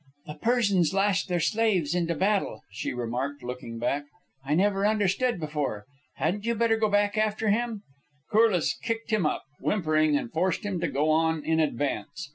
"The Persians lashed their slaves into battle," she remarked, looking back. "I never understood before. Hadn't you better go back after him?" Corliss kicked him up, whimpering, and forced him to go on in advance.